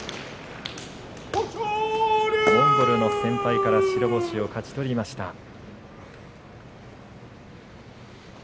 モンゴルの先輩から白星を勝ち取りました。